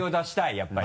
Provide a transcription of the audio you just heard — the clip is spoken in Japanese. やっぱり。